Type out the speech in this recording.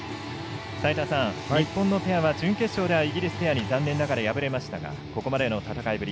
日本のペアは準決勝ではイギリスペアに残念ながら敗れましたがここまでの戦いぶり